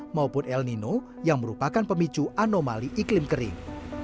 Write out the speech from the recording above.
maupun el nino yang merupakan pemicu anomali iklim kering